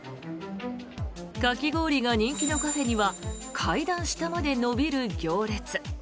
かき氷が人気のカフェには階段下まで延びる行列。